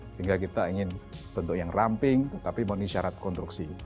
sehingga kita ingin bentuk yang ramping tetapi memenuhi syarat konstruksi